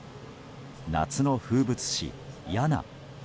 夏の風物詩、やな。